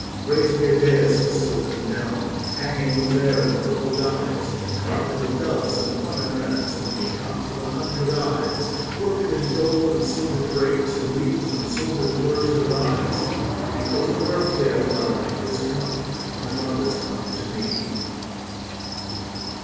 Raise me a daïs of silk and down; Hang it with vair and purple dyes; 10 Carve it in doves and pomegranates, And peacocks with a hundred eyes; Work it in gold and silver grapes, In leaves and silver fleurs de lys; Because the birthday of my life 15 Is come, my love is come to me.